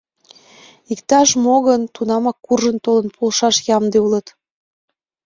Иктаж-мо гын, тунамак куржын толын полшаш ямде улыт.